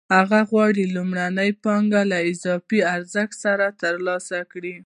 هغه غواړي لومړنۍ پانګه له اضافي ارزښت سره ترلاسه کړي